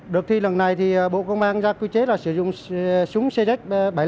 được thi lần này thì bộ công an ra quy chế sử dụng súng cz bảy mươi năm c